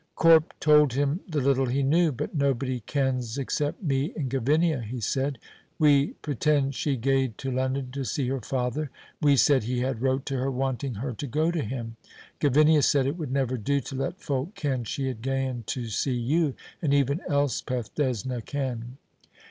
Corp told him the little he knew. "But nobody kens except me and Gavinia," he said. We pretend she gaed to London to see her father. We said he had wrote to her, wanting her to go to him. Gavinia said it would never do to let folk ken she had gaen to see you, and even Elspeth doesna ken."